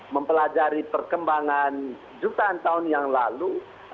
mempelajari perkembangan jutaan tahun yang lalu